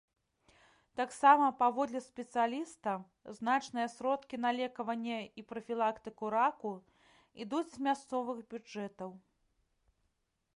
Таксама, паводле спецыяліста, значныя сродкі на лекаванне і прафілактыку раку ідуць з мясцовых бюджэтаў.